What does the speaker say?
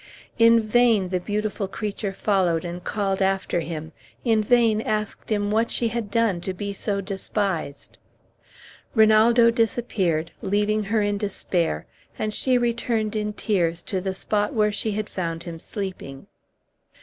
In vain the beautiful creature followed and called after him, in vain asked him what she had done to be so despised. Rinaldo disappeared, leaving her in despair, and she returned in tears to the spot where she had found him sleeping.